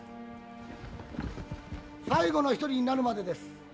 最後の一人になるまでです。